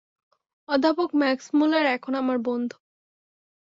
অধ্যাপক ম্যাক্সমূলার এখন আমার বন্ধু।